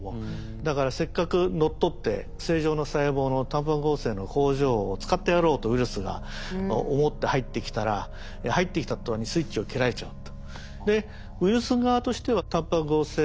だからせっかく乗っ取って正常の細胞のタンパク合成の工場を使ってやろうとウイルスが思って入ってきたら入ってきた途端にスイッチを切られちゃうと。